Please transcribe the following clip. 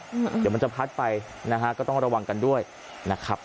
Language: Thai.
เดี๋ยวมันจะพัดไปนะฮะก็ต้องระวังกันด้วยนะครับ